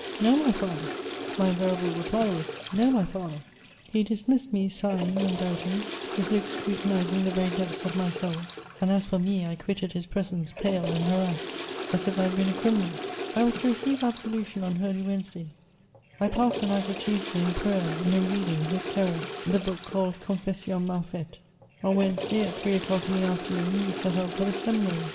No, my Father. My invariable reply was " No, my Father He dismissed me sighing and doubting, his look scrutinizing the very depths of my soul ; and, as for me, I quitted his presence, pale and harassed, as if I had been a criminal. I was to receive absolution on Holy Wednesday. I passed the night of Tuesday in prayer and in reading, with terror, the book called Confessions mal faites. On Wednesday, at three o'clock in the afternoon, we set out for the seminary.